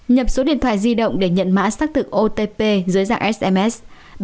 nhập số điện thoại di động để nhận mã xác thực otp dưới dạng sms